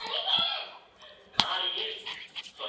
マリーそれ